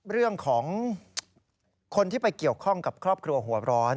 เรื่องของคนที่ไปเกี่ยวข้องกับครอบครัวหัวร้อน